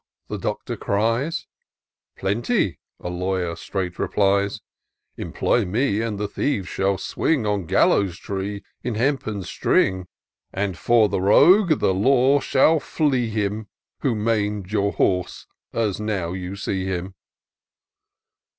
the Doctor cries: —" Plenty," a lawyer straight replies :" Employ me, and those thieves shall swing On gallows tree, in hempen string: And, for the rogue, the law shall flea him. Who maim'd your horse, as now you see him."